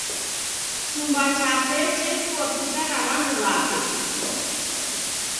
Chumba chape chechua picha ra w'andu w'ape.